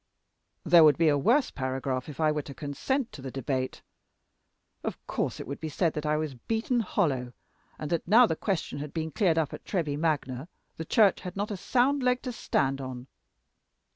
'" "There would be a worse paragraph if I were to consent to the debate. Of course it would be said that I was beaten hollow, and, that now the question had been cleared up at Treba Magna, the Church had not a sound leg to stand on.